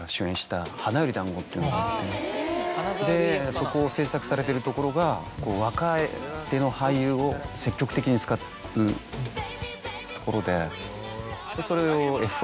そこ制作されてるところが若手の俳優を積極的に使うところで。